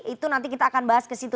itu nanti kita akan bahas ke situ